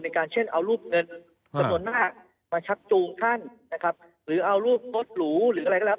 การเช่นเอารูปเงินจำนวนมากมาชักจูงท่านนะครับหรือเอารูปรถหรูหรืออะไรก็แล้ว